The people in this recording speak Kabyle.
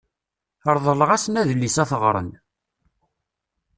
Reḍleɣ-asen adlis ad t-ɣren.